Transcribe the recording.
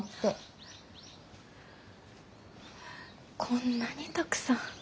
こんなにたくさん。